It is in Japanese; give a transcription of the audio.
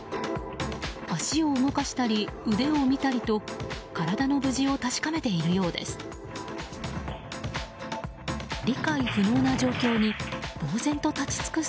足を動かしたり腕を見たりと体の無事を確かめているようです。